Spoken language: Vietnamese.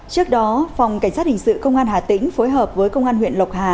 trước đó phòng cảnh sát hình sự công an hà tĩnh phối hợp với công an huyện lộc hà